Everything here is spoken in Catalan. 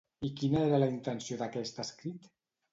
I quina era la intenció d'aquest escrit?